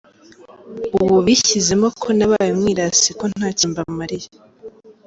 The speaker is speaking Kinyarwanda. Ubu bishyizemo ko nabaye umwirasi ko ntacyo mbamariye.